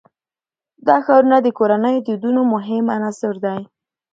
دا ښارونه د کورنیو د دودونو مهم عنصر دی.